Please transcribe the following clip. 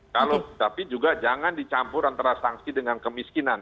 kalau tapi juga jangan dicampur antara sanksi dengan kemiskinan